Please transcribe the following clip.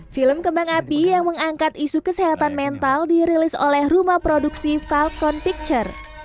film kembang api yang mengangkat isu kesehatan mental dirilis oleh rumah produksi falcon picture